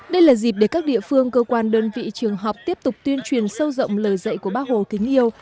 đây là dịp để các địa phương cơ quan đơn vị trường học tiếp tục tuyên truyền sâu rộng lời dạy của bác hồ kính yêu